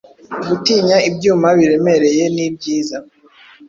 Gutinya ibyuma biremereye nibyiza